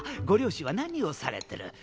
ご両親は何をされてる？